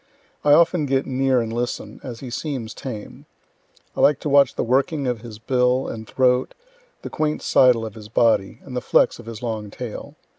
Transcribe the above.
I often get near and listen, as he seems tame; I like to watch the working of his bill and throat, the quaint sidle of his body, and flex of his long tail.